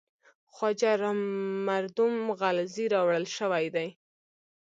خواجه را مردم غلزی راوړل شوی دی.